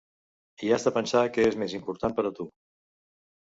I has de pensar què és més important per a tu.